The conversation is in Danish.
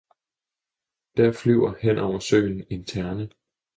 »Der flyver hen over Søen en Terne!